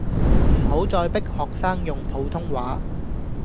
唔好再迫學生用普通話